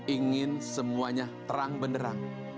ingin semuanya terang beneran